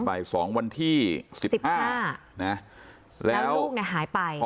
บ่ายสองวันที่สิบห้าสิบห้านะแล้วลูกเนี่ยหายไปอ๋อ